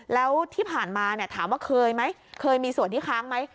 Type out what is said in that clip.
แล้วที่ผ่านมาถามว่าเคยไหมเคยมีส่วนที่ค้างไหม